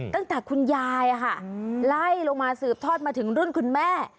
ตั้งแต่คุณยายค่ะไล่ลงมาสืบทอดมาถึงรุ่นคุณแม่